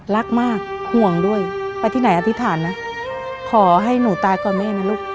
รักมากห่วงด้วยไปที่ไหนอธิษฐานนะขอให้หนูตายก่อนแม่นะลูก